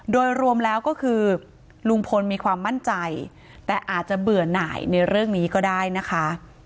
โดยรวมแล้วก็คือลุงพลมีความมั่นใจแต่อาจจะเบื่อหน่ายในเรื่องนี้ก็ได้นะคะ